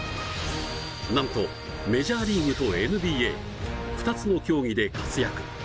なんとメジャーリーグとＮＢＡ２つの競技で活躍。